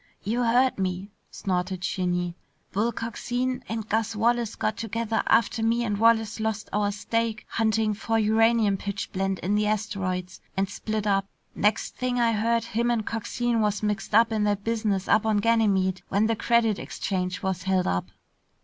"You heard me," snorted Shinny. "Bull Coxine and Gus Wallace got together after me and Wallace lost our stake hunting for uranium pitchblende in the asteroids and split up. Next thing I heard, him and Coxine was mixed up in that business up on Ganymede when the Credit Exchange was held up."